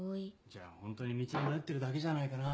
じゃあホントに道に迷ってるだけじゃないかな？